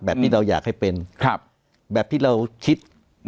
ที่เราอยากให้เป็นแบบที่เราคิด